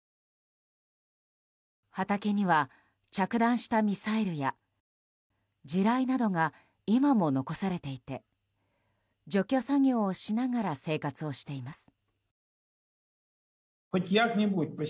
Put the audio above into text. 畑には着弾したミサイルや地雷などが今も残されていて除去作業をしながら生活をしています。